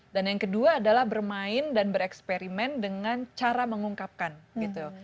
dan yang kedua adalah bermain dan bereksperimen dengan cara mengungkapkan gitu